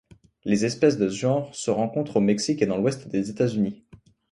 Les espèces de ce genre se rencontrent au Mexique et dans l'ouest des États-Unis.